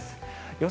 予想